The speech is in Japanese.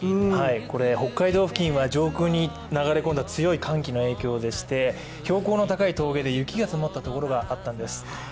これ北海道付近は上空に流れ込んだ強い寒気の影響でして、標高の高い峠で雪が積もったところがあったんです。